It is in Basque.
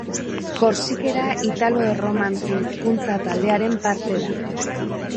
Korsikera italo-erromantze hizkuntza-taldearen parte da.